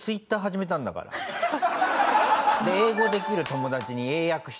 英語できる友達に英訳してもらって。